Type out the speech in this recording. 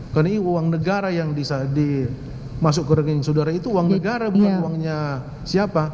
karena ini uang negara yang dimasuk ke rekening saudara itu uang negara bukan uangnya siapa